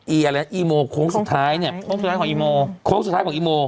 อีโมโค้งสุดท้ายเนี่ยโค้งสุดท้ายของอีโม